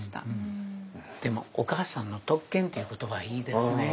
でもお母さんの特権という言葉いいですね。